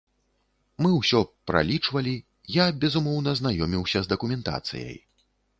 Мы ўсё пралічвалі, я, безумоўна, знаёміўся з дакументацыяй.